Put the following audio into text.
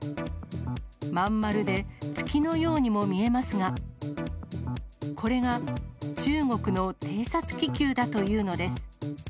真ん丸で、月のようにも見えますが、これが中国の偵察気球だというのです。